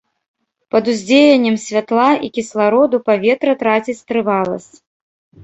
Пад уздзеяннем святла і кіслароду паветра траціць трываласць.